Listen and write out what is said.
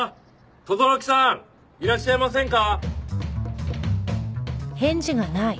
轟木さんいらっしゃいませんか？